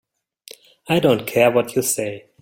I don't care what you say.